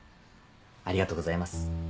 ありがとうございます。